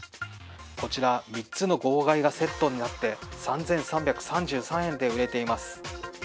こちら３つの号外がセットになって３３３３円で売れています。